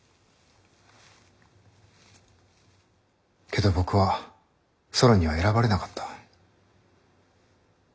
けど僕はソロンには選ばれなかった。